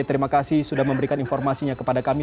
terima kasih sudah memberikan informasinya kepada kami